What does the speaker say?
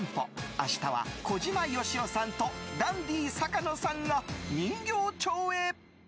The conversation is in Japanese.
明日は小島よしおさんとダンディ坂野さんが人形町へ。